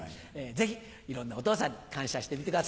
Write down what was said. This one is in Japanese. ぜひいろんなお父さんに感謝してみてください。